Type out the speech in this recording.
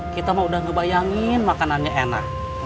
kita mah udah ngebayangin makanannya enak